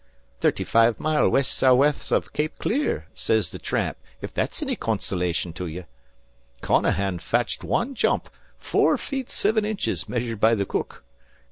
"'Thirty five mile west sou'west o' Cape Clear,' sez the tramp, 'if that's any consolation to you.' "Counahan fetched wan jump, four feet sivin inches, measured by the cook.